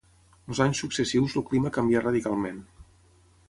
Els anys successius el clima canvià radicalment.